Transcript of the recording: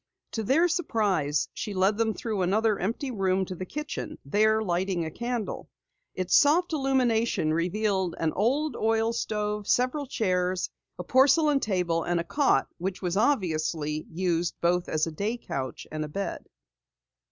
To their surprise she led them through another empty room to the kitchen, there lighting a candle. Its soft illumination revealed an old oil stove, several chairs, a porcelain table and a cot which obviously served both as a day couch and bed.